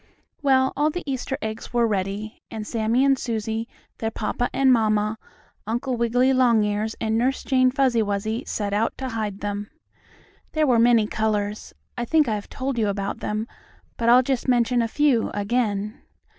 Well, all the Easter eggs were ready, and Sammie and Susie, their papa and mamma, Uncle Wiggily Longears and Nurse Jane Fuzzy Wuzzy, set out to hide them. There were many colors. I think I have told you about them, but I'll just mention a few again.